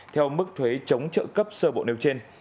theo mức thuế chống trợ cấp sơ bộ nêu trên